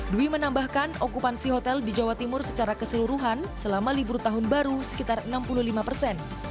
dwi menambahkan okupansi hotel di jawa timur secara keseluruhan selama libur tahun baru sekitar enam puluh lima persen